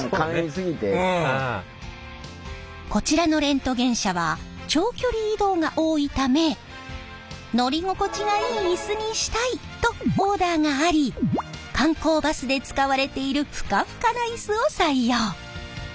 こちらのレントゲン車は長距離移動が多いため乗り心地がいいイスにしたいとオーダーがあり観光バスで使われているふかふかなイスを採用。